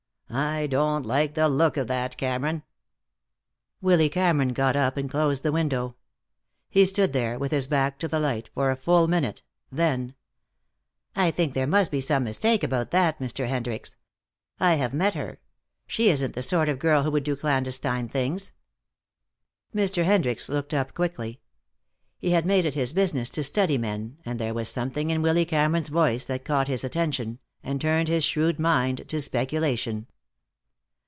I don't like the look of that, Cameron." Willy Cameron got up and closed the window. He stood there, with his back to the light, for a full minute. Then: "I think there must be some mistake about that, Mr. Hendricks. I have met her. She isn't the sort of girl who would do clandestine things." Mr. Hendricks looked up quickly. He had made it his business to study men, and there was something in Willy Cameron's voice that caught his attention, and turned his shrewd mind to speculation.